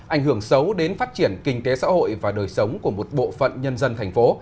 ảnh hưởng xấu đến phát triển kinh tế xã hội và đời sống của một bộ phận nhân dân thành phố